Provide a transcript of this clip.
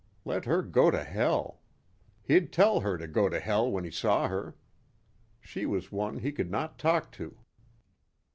Let her go to Hell. He'd tell her to go to Hell when he saw her. She was one he could talk to.